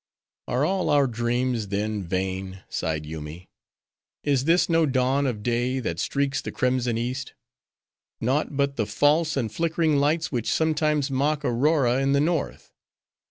"Are all our dreams, then, vain?" sighed Yoomy. "Is this no dawn of day that streaks the crimson East! Naught but the false and flickering lights which sometimes mock Aurora in the north!